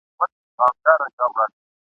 مور دي نه سي پر هغو زمریو بوره !.